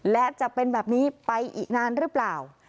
และจะเป็นแบบนี้ไปอีกนานหรือเปล่า